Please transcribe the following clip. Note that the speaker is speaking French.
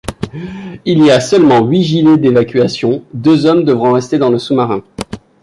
Il y a seulement huit gilets d'évacuation, deux hommes devront rester dans le sous-marin.